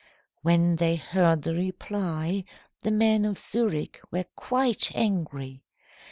"When they heard the reply, the men of Zurich were quite angry.